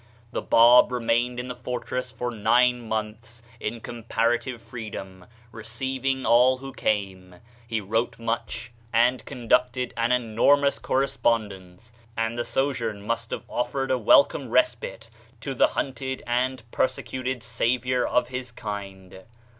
The Bab remained in the fortress for nine months in comparative freedom, receiving all who came. He wrote much, and conducted an enormous correspond 35 THE SHINING PATHWAY ence, and the sojourn must have offered a wel come respite to the hunted and persecuted saviour of his kind.